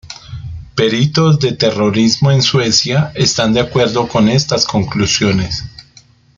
Peritos de terrorismo en Suecia están de acuerdo con estas conclusiones.